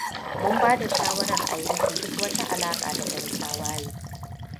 Mun bada shawarar a yanke duk wata alaƙa da yan tawaye.